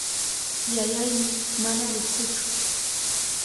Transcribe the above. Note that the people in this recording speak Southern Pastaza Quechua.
Yayayni mana rukuchu.